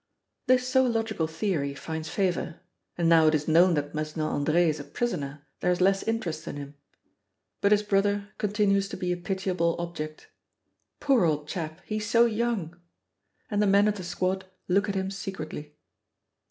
This so logical theory finds favor, and now it is known that Mesnil Andre is a prisoner there is less interest in him. But his brother continues to be a pitiable object "Poor old chap, he's so young!" And the men of the squad look at him secretly.